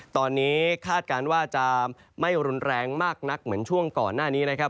ตอนนี้คาดการณ์ว่าจะไม่รุนแรงมากนักเหมือนช่วงก่อนหน้านี้นะครับ